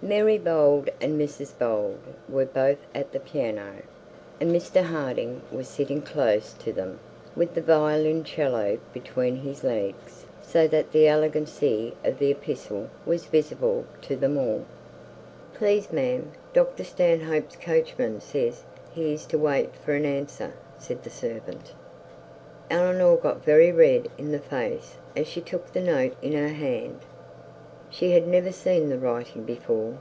Mary Bold and Mrs Bold were both at the piano, and Mr Harding was sitting close to them, with the violoncello between his legs; so that the elegance of the epistle was visible to them all. 'Please, ma'am, Dr Stanhope's coachman says he is to wait for an answer,' said the servant. Eleanor got very red in the face as she took the note in her hand. She had never seen the writing before.